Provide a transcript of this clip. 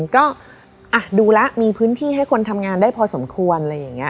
ก็ดูแล้วมีพื้นที่ให้คนทำงานได้พอสมควรอะไรอย่างนี้